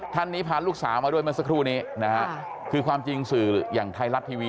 ท่านนี้พาลูกสาวมาด้วยเมื่อสักครู่นี้นะฮะคือความจริงสื่ออย่างไทยรัฐทีวี